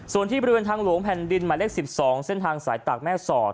ส่วนที่บริเวณทางหลวงแผ่นดินหมายเลข๑๒เส้นทางสายตากแม่สอด